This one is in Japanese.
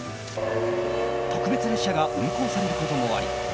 特別列車が運行されることもあり